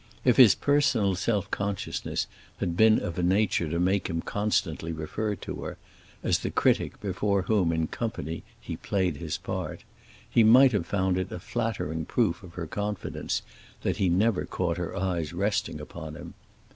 If his personal self consciousness had been of a nature to make him constantly refer to her, as the critic before whom, in company, he played his part, he might have found it a flattering proof of her confidence that he never caught her eyes resting upon him.